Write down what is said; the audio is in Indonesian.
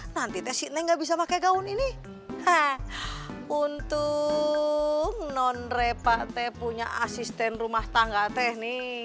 nanti tes ini enggak bisa pakai gaun ini untuk non repa tepunya asisten rumah tangga teh nih